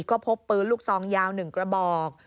ก็พบปืนลูกซองยาว๑กระบอก